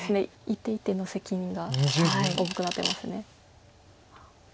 一手一手の責任が重くなってます。